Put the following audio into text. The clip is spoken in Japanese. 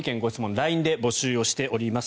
ＬＩＮＥで募集をしております。